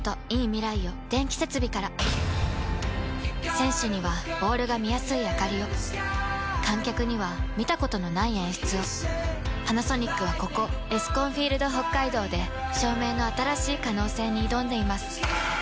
選手にはボールが見やすいあかりを観客には見たことのない演出をパナソニックはここエスコンフィールドＨＯＫＫＡＩＤＯで照明の新しい可能性に挑んでいます